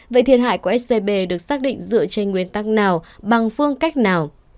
vậy thiệt hại của scb được xác định dựa trên nguyên tắc nào bằng phương cách nào